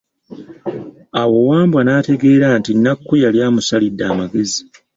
Awo Wambwa n'ategeera nti Nakku yali amusalidde amagezi.